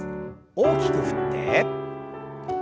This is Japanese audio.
大きく振って。